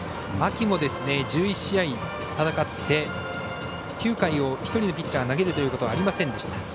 秋も１１試合戦って９回を１人のピッチャーが投げるという試合はありませんでした。